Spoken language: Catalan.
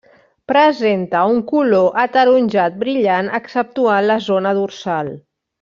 Presenta un color ataronjat brillant exceptuant la zona dorsal.